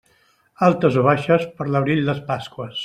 Altes o baixes, per l'abril les Pasqües.